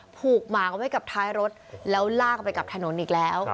ผูกหมาเอาไว้กับท้ายรถแล้วลากไปกับถนนอีกแล้ว